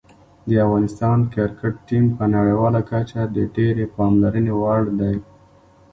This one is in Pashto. د افغانستان کرکټ ټیم په نړیواله کچه د ډېرې پاملرنې وړ دی.